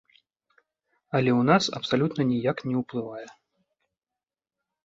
Але ў нас абсалютна ніяк не ўплывае.